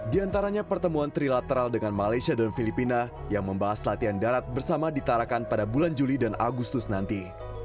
di antaranya pertemuan trilateral dengan malaysia dan filipina yang membahas latihan darat bersama ditarakan pada bulan juli dan agustus nanti